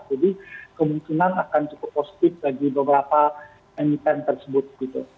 jadi kemungkinan akan cukup positif bagi beberapa emiten tersebut gitu